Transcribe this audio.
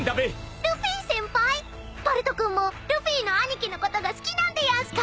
バルト君もルフィの兄貴のことが好きなんでやんすか？